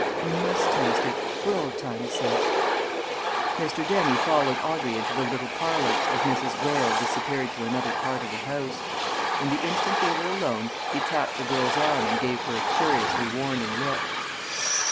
You must taste it for old times' sake." Mr. Dennie followed Audrey into the little parlour as Mrs. Greyle disappeared to another part of the house. And the instant they were alone, he tapped the girl's arm and gave her a curiously warning look.